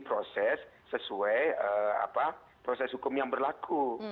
proses sesuai proses hukum yang berlaku